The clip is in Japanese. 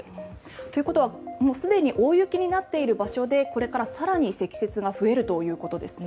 ということはすでに大雪になっている場所でこれから更に積雪が増えるということですね。